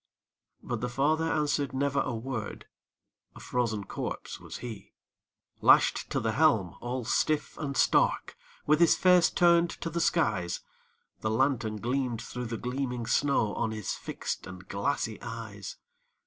But the father answered never a word, A frozen corpse was he. Lashed to the helm, all stiff and stark, With his face turned to the skies, The lantern gleamed through the gleaming snow On his fixed and glassy eyes.